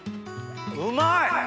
うまい！